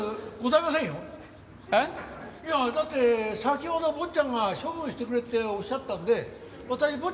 いやだって先ほど坊ちゃんが処分してくれっておっしゃったので私坊